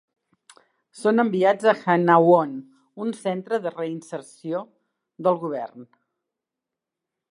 Són enviats a Hanawon, un centre de reinserció del govern.